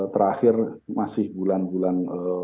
terakhir masih bulan bulan